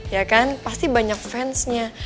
ya kan pasti banyak fansnya